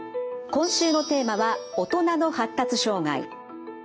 今週のテーマは大人の発達障害。